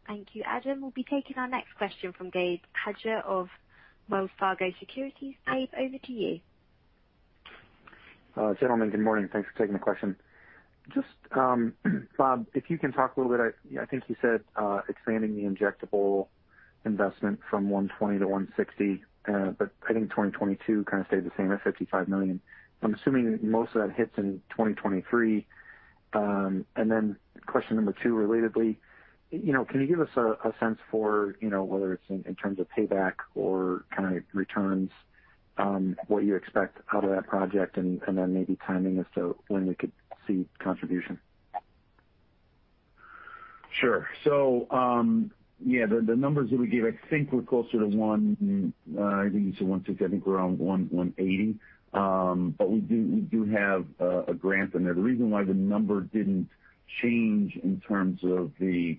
Thank you, Adam. We'll be taking our next question from Gabe Hajde of Wells Fargo Securities. Gabe, over to you. Gentlemen, good morning. Thanks for taking the question. Just, Bob, if you can talk a little bit, you know, I think you said expanding the injectable investment from $120 million to $160 million, but I think 2022 kind of stayed the same at $55 million. I'm assuming most of that hits in 2023. Then question number two relatedly, you know, can you give us a sense for whether it's in terms of payback or kind of returns what you expect out of that project and then maybe timing as to when we could see contribution? Sure. Yeah, the numbers that we gave I think were closer to $160 million. I think you said $160 million. I think we're around $180 million. But we do have a grant in there. The reason why the number didn't change in terms of the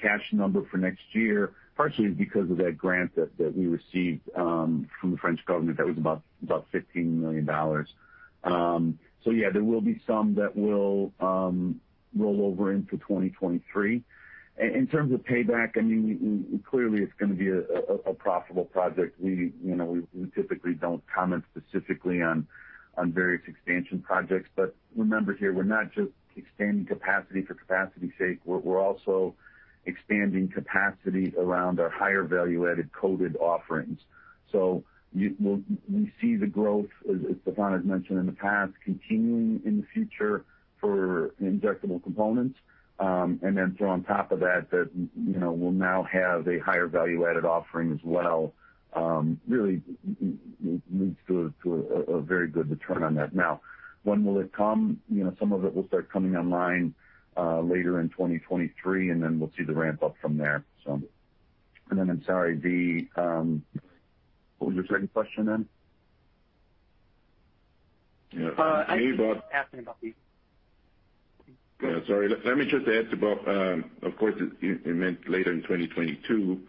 cash number for next year partially is because of that grant that we received from the French government. That was about $15 million. Yeah, there will be some that will roll over into 2023. In terms of payback, I mean, clearly it's gonna be a profitable project. We, you know, we typically don't comment specifically on various expansion projects, but remember here, we're not just expanding capacity for capacity's sake. We're also expanding capacity around our higher value-added coated offerings. We see the growth, as Stephan has mentioned in the past, continuing in the future for injectable components. On top of that, you know, we'll now have a higher value-added offering as well, really leads to a very good return on that. Now, when will it come? You know, some of it will start coming online later in 2023, and then we'll see the ramp up from there. I'm sorry, what was your second question then? I think he was asking about the Let me just add to Bob. Of course he meant later in 2022,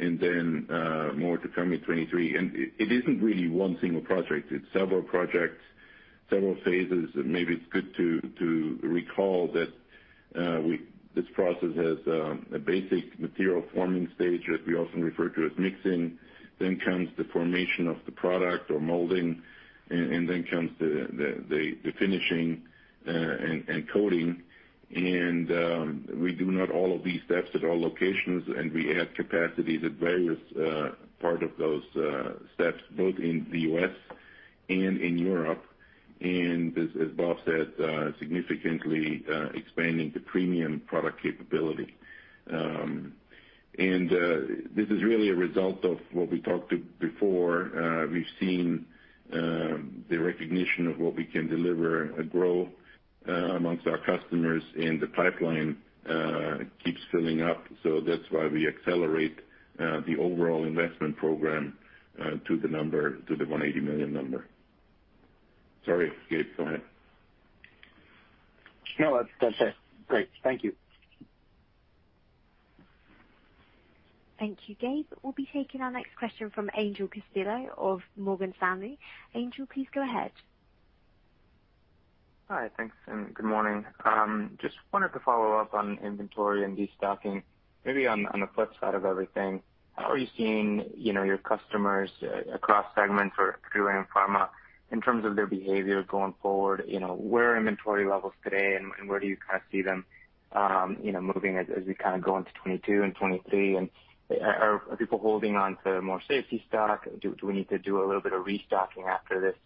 and then more to come in 2023. It isn't really one single project. It's several projects, several phases. Maybe it's good to recall that this process has a basic material forming stage that we often refer to as mixing, then comes the formation of the product or molding, and then comes the finishing and coating. We do not all of these steps at all locations, and we add capacity to various parts of those steps, both in the U.S. and in Europe, as Bob said, significantly expanding the premium product capability. This is really a result of what we talked before. We've seen the recognition of what we can deliver grow among our customers, and the pipeline keeps filling up. That's why we accelerate the overall investment program to the $180 million number. Sorry, Gabe. Go ahead. No, that's it. Great. Thank you. Thank you, Gabe. We'll be taking our next question from Angel Castillo of Morgan Stanley. Angel, please go ahead. Hi. Thanks, good morning. Just wanted to follow up on inventory and destocking. Maybe on the flip side of everything, how are you seeing, you know, your customers across segments or through in pharma in terms of their behavior going forward? You know, where are inventory levels today, and where do you kind of see them, you know, moving as we kind of go into 2022 and 2023? And are people holding on to more safety stock? Do we need to do a little bit of restocking after this,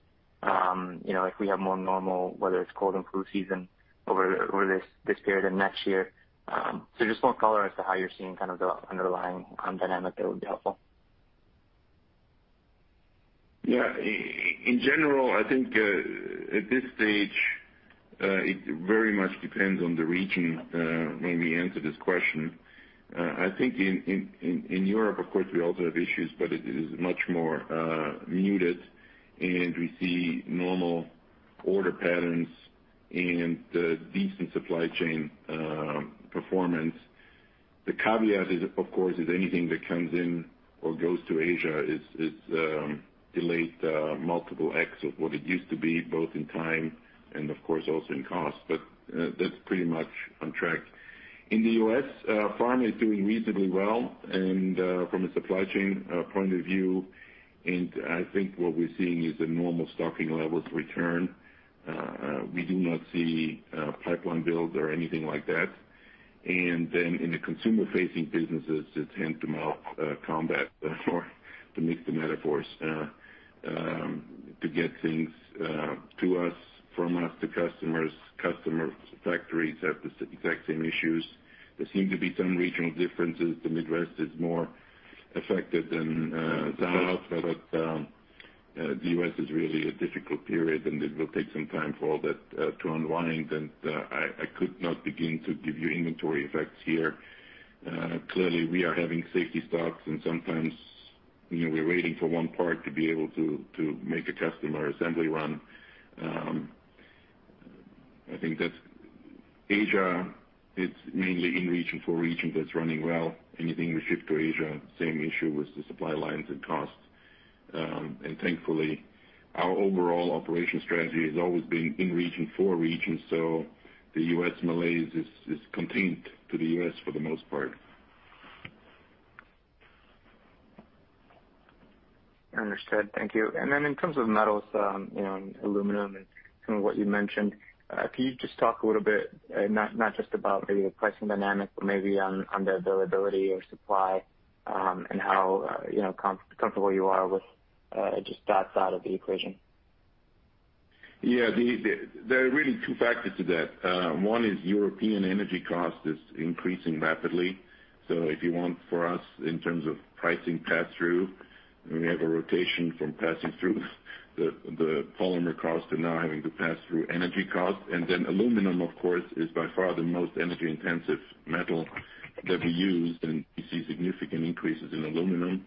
you know, if we have more normal, whether it's cold and flu season over this period and next year? So just want color as to how you're seeing kind of the underlying dynamic there would be helpful. Yeah. In general, I think at this stage it very much depends on the region when we answer this question. I think in Europe, of course, we also have issues, but it is much more muted, and we see normal order patterns and decent supply chain performance. The caveat is, of course, anything that comes in or goes to Asia is delayed multiple X of what it used to be, both in time and of course also in cost. But that's pretty much on track. In the U.S., pharma is doing reasonably well and from a supply chain point of view. I think what we're seeing is the normal stocking levels return. We do not see pipeline builds or anything like that. In the consumer-facing businesses, it's hand-to-mouth combat or to mix the metaphors to get things from us to customers. Customer factories have the exact same issues. There seem to be some regional differences. The Midwest is more affected than the South. The U.S. is really a difficult period, and it will take some time for all that to unwind. I could not begin to give you inventory effects here. Clearly, we are having safety stocks, and sometimes, you know, we're waiting for one part to be able to make a customer assembly run. I think that's Asia. It's mainly in region for region that's running well. Anything we ship to Asia, same issue with the supply lines and costs. Thankfully, our overall operation strategy has always been in region, for region. The U.S. malaise is contained to the U.S. for the most part. Understood. Thank you. In terms of metals, you know, aluminum and some of what you mentioned, can you just talk a little bit, not just about maybe the pricing dynamic, but maybe on the availability or supply, and how, you know, comfortable you are with just that side of the equation? Yeah. There are really two factors to that. One is European energy cost is increasing rapidly. For us in terms of pricing pass-through, we have a rotation from passing through the polymer cost to now having to pass through energy costs. Aluminum, of course, is by far the most energy-intensive metal that we use, and we see significant increases in aluminum.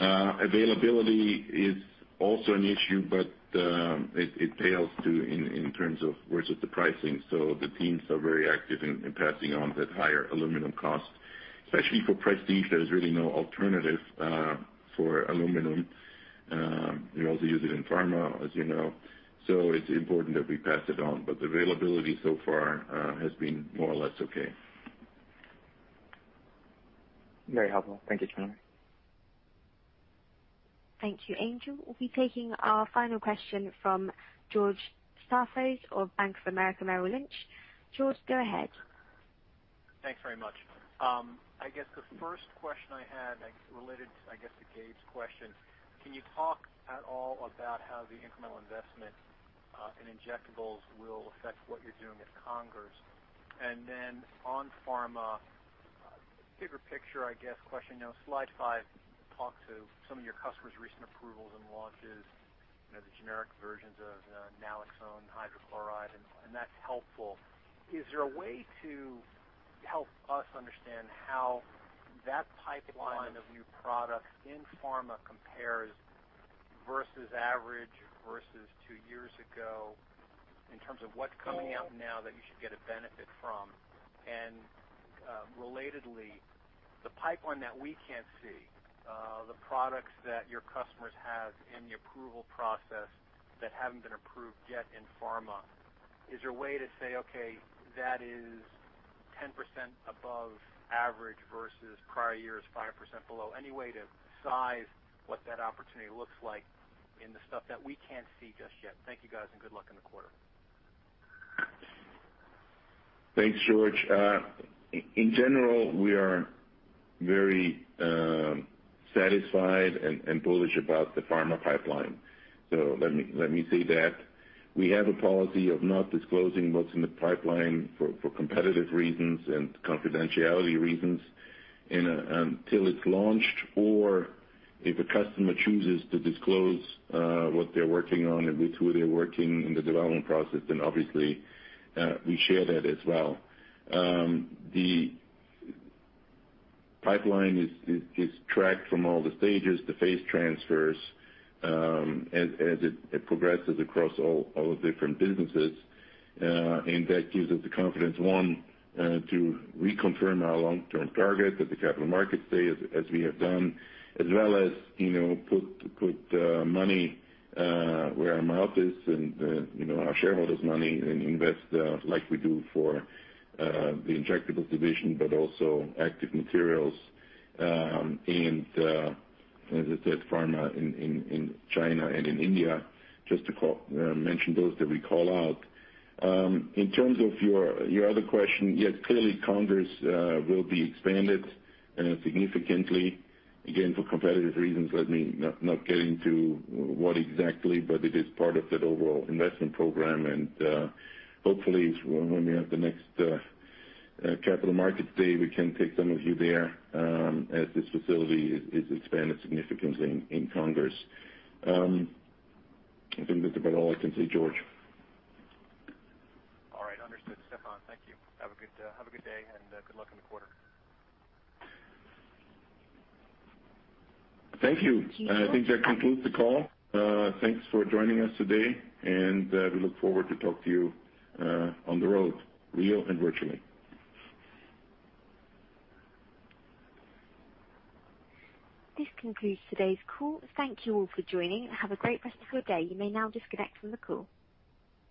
Availability is also an issue, but it pales in comparison in terms of the pricing. The teams are very active in passing on that higher aluminum cost. Especially for Prestige, there's really no alternative for aluminum. We also use it in pharma, as you know. It's important that we pass it on. The availability so far has been more or less okay. Very helpful. Thank you, Stephan. Thank you, Angel. We'll be taking our final question from George Staphos of Bank of America Merrill Lynch. George, go ahead. Thanks very much. I guess the first question I had related to Gabe's question. Can you talk at all about how the incremental investment in injectables will affect what you're doing at Congers? On pharma, bigger picture, I guess, question. You know, slide five talked to some of your customers' recent approvals and launches, you know, the generic versions of naloxone hydrochloride, and that's helpful. Is there a way to help us understand how that pipeline of new products in pharma compares versus average versus two years ago in terms of what's coming out now that you should get a benefit from? Relatedly, the pipeline that we can't see, the products that your customers have in the approval process that haven't been approved yet in pharma, is there a way to say, "Okay, that is 10% above average versus prior years, 5% below"? Any way to size what that opportunity looks like in the stuff that we can't see just yet? Thank you, guys, and good luck in the quarter. Thanks, George. In general, we are very satisfied and bullish about the pharma pipeline. Let me say that. We have a policy of not disclosing what's in the pipeline for competitive reasons and confidentiality reasons until it's launched, or if a customer chooses to disclose what they're working on and with who they're working in the development process, then obviously we share that as well. The pipeline is tracked from all the stages, the phase transfers, as it progresses across all the different businesses. That gives us the confidence, one, to reconfirm our long-term target that the capital markets see as we have done, as well as, you know, put money where our mouth is and, you know, our shareholders' money and invest like we do for the Injectables division, but also active materials, and as I said, pharma in China and in India, just to mention those that we call out. In terms of your other question, yes, clearly Congers will be expanded significantly. Again, for competitive reasons, let me not get into what exactly, but it is part of that overall investment program. Hopefully when we have the next capital markets day, we can take some of you there, as this facility is expanded significantly in Congers. I think that's about all I can say, George. All right. Understood, Stephan. Thank you. Have a good day and good luck in the quarter. Thank you. George- I think that concludes the call. Thanks for joining us today, and we look forward to talk to you on the road, real and virtually. This concludes today's call. Thank you all for joining, and have a great rest of your day. You may now disconnect from the call.